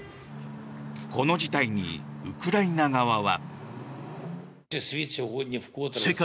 この事態にウクライナ側は。